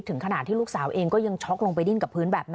ถึงขนาดที่ลูกสาวเองก็ยังช็อกลงไปดิ้นกับพื้นแบบนั้น